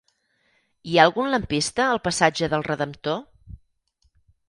Hi ha algun lampista al passatge del Redemptor?